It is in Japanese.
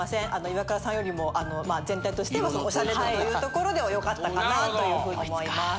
イワクラさんよりも全体としてはオシャレ度というところではよかったかなというふうに思います。